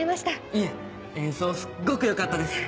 いえ演奏すっごくよかったです！